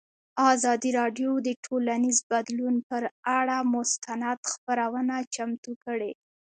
ازادي راډیو د ټولنیز بدلون پر اړه مستند خپرونه چمتو کړې.